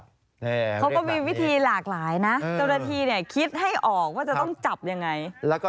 เขาก็มีวิธีหลากหลายนะเจ้าหน้าที่เนี่ยคิดให้ออกว่าจะต้องจับยังไง